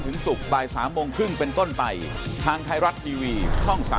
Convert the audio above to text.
เอาล่ะครับ